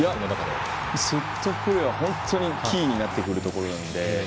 セットプレーは、本当にキーになってくるところなので。